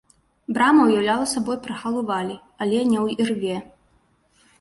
Брама уяўляла сабой прагал у вале, але не ў ірве.